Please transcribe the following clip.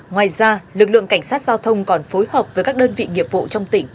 ngoài ra lực lượng cảnh sát giao thông còn phối hợp với các đơn vị nghiệp vụ trong tỉnh